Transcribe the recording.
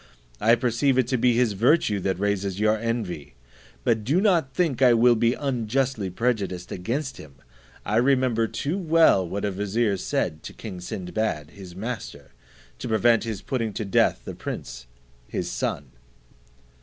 I perceive it to be his virtue that raises your envy; but do not think I will be unjustly prejudiced against him. I remember too well what a vizier said to king Sinbad, his master, to prevent his putting to death the prince his son."